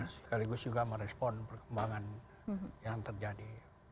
sekaligus juga merespon perkembangan yang terjadi